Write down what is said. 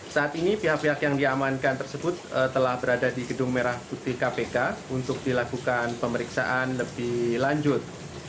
saat ini pihak pihak yang diamankan tersebut telah berada di gedung merah putih kpk untuk dilakukan pemeriksaan lebih lanjut